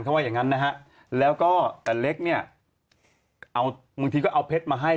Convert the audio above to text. เขาว่าอย่างงั้นนะฮะแล้วก็แต่เล็กเนี่ยเอาบางทีก็เอาเพชรมาให้